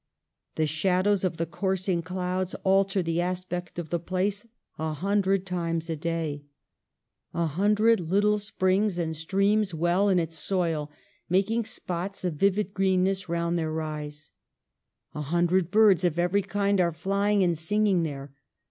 The shadows of the coursing clouds alter the aspect of the place a hundred times a day. A 20 EMILY BRONTE. hundred little springs and streams well in its soil, making spots of livid greenness round their rise. A hundred birds of every kind are flying and singing there.